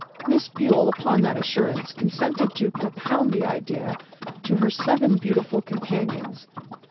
Miss Bule, upon that assurance, consented to propound the idea to her seven beautiful companions.